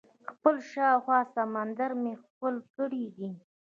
خپل شاوخوا سمندر مې ښکل کړی دئ.